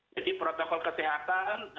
jadi protokol kesehatan